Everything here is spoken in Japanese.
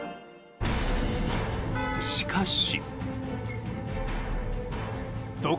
しかし。